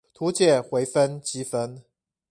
圖解微分積分